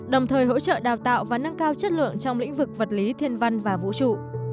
đồng thời hỗ trợ đào tạo và nâng cao chất lượng trong lĩnh vực vật lý thiên văn và vũ trụ